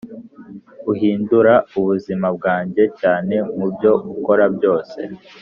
uhindura ubuzima bwanjye cyane mubyo ukora byose.